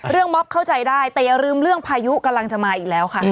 ม็อบเข้าใจได้แต่อย่าลืมเรื่องพายุกำลังจะมาอีกแล้วค่ะ